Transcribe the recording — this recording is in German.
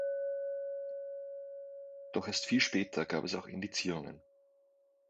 Doch erst viel später gab es auch Indizierungen.